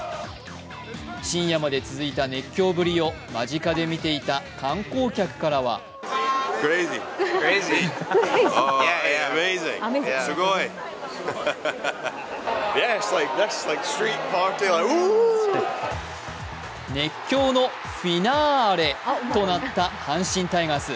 深夜まで続いた熱狂ぶりを間近で見ていた観光客からは熱狂のフィナーアレとなった阪神タイガース。